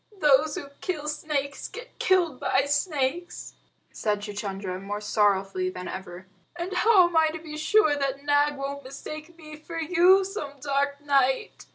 "Those who kill snakes get killed by snakes," said Chuchundra, more sorrowfully than ever. "And how am I to be sure that Nag won't mistake me for you some dark night?"